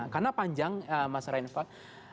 karena panjang mas rainford